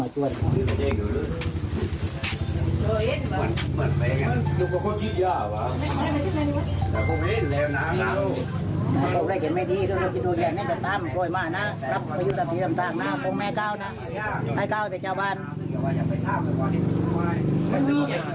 ใครก้าวแต่เจ้าบ้าน